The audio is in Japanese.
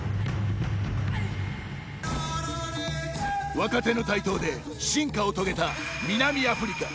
若手の台頭で進化を遂げた南アフリカ。